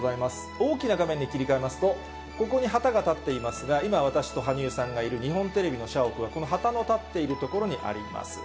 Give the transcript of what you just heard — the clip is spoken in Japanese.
大きな画面に切り替えますと、ここに旗が立っていますが、今、私と羽生さんがいる、日本テレビの社屋は、この旗の立っている所にあります。